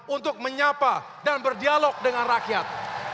untuk menyapa dan berdialog dengan rakyat